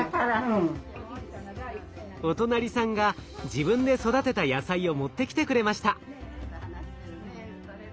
お隣さんが自分で育てた野菜を持ってきてくれました。